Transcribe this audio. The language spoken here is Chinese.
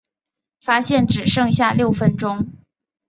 发现只剩下六分钟